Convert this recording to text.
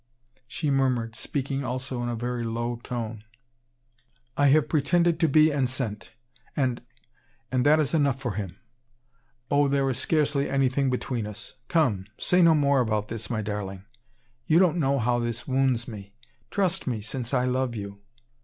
She murmured, speaking also in a very low tone: "I have pretended to be enceinte, and and that is enough for him. Oh! there is scarcely anything between us Come! say no more about this, my darling. You don't know how this wounds me. Trust me, since I love you!"